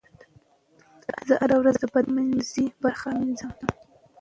زه هره ورځ د بدن منځنۍ برخه مینځم.